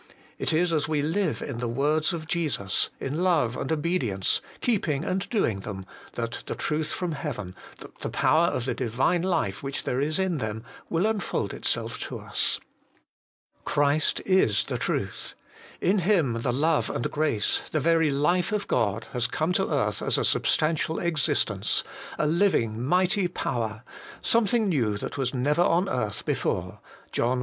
It is as we live in the words of Jesus, in love and obedience, keeping and doing them, that the Truth from heaven, the Power of the Divine Life which there is in them, will unfold itself to us. Christ is the Truth ; in Him the love and grace, the very life of God, has come to earth as a sub stantial existence, a Living, Mighty Power, some thing new that was never on earth before (John i.